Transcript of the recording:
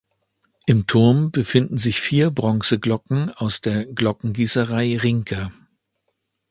Im Turm befinden sich vier Bronzeglocken aus der Glockengießerei Rincker.